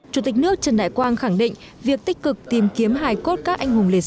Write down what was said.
chủ tịch nước trần đại quang khẳng định việc tích cực tìm kiếm hải cốt các anh hùng liệt sĩ